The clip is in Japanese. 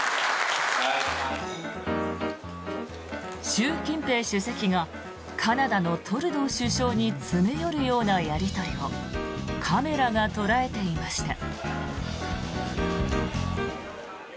習近平主席がカナダのトルドー首相に詰め寄るようなやり取りをカメラが捉えていました。